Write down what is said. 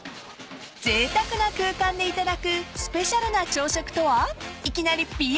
［ぜいたくな空間で頂くスペシャルな朝食とは］